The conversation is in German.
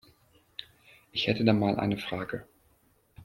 Ich hätte da mal eine Frage.